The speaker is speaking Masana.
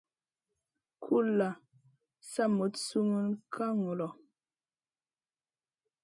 Kulʼla sa moɗ sumun ka ŋolo.